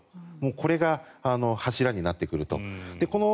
これが柱になってくると。